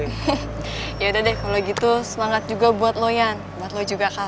hehehe yaudah deh kalo gitu selangat juga buat lo yan buat lo juga kal